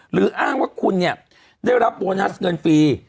อ้างว่าคุณเนี่ยได้รับโบนัสเงินฟรี